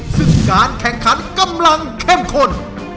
ซึ่งการแข่งขันกำลังเข้มข้น